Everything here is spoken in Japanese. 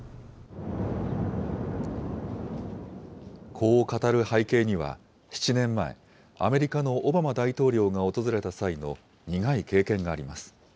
こう語る背景には、７年前、アメリカのオバマ大統領が訪れた際の苦い経験があります。